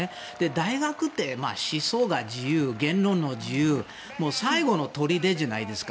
大学って思想が自由言論の自由最後の砦じゃないですか。